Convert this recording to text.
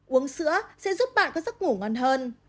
uống sữa sẽ giúp bạn có giấc ngủ ngon hơn